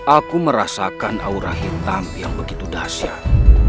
aku merasakan aura hitam yang begitu dahsyat